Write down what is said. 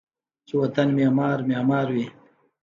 چې و طن معمار ، معمار وی